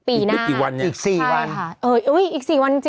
อีกกี่วันนี้อีก๔วัน